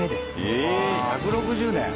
ええっ１６０年？